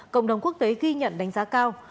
cộng đồng quốc tế ghi nhận đánh giá cao